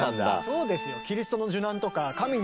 そうですよ。